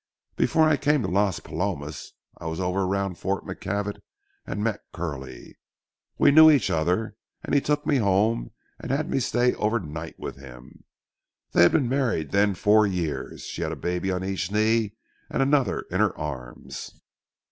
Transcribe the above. "Before I came to Las Palomas, I was over round Fort McKavett and met Curly. We knew each other, and he took me home and had me stay overnight with him. They had been married then four years. She had a baby on each knee and another in her arms.